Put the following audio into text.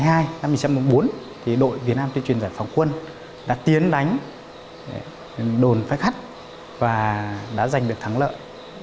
thì ngày hai mươi năm tháng một mươi hai năm một nghìn chín trăm bốn mươi bốn thì đội việt nam tuyên truyền giải phóng quân đã tiến đánh đồn phai khắt và đã giành được thắng lợi